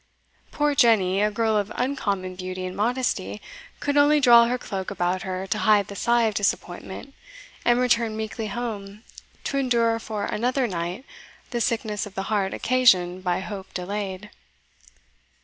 Poor Jenny, a girl of uncommon beauty and modesty, could only draw her cloak about her to hide the sigh of disappointment and return meekly home to endure for another night the sickness of the heart occasioned by hope delayed.